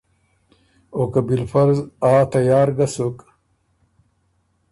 او که بالفرض آ تیار ګۀ سُک۔